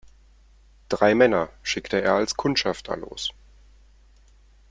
Drei Männer schickte er als Kundschafter los.